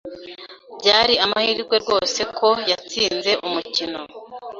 Byari amahirwe rwose ko yatsinze umukino.